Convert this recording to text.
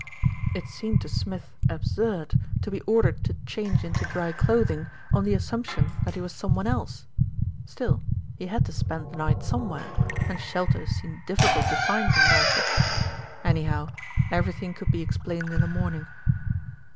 It seemed to Smith absurd to be ordered to change into dry clothing on the assumption that he was some one else; still, he had to spend the night somewhere, and shelter seemed difficult to find in Norfolk. Any how, everything could be explained in the morning.